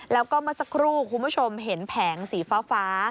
แล้วก็เมื่อสักครู่คุณผู้ชมเห็นแผงสีฟ้า